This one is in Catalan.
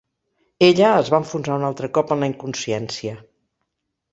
Ella es va enfonsar un altre cop en la inconsciència.